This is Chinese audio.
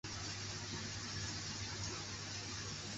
早年在斯坦福大学取得博士学位。